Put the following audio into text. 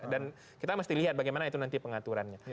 dan kita mesti lihat bagaimana itu nanti pengaturannya